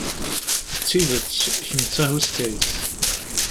D tidet, kemm d tahuskayt.